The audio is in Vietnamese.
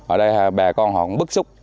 ở đây bà con họ cũng bức xúc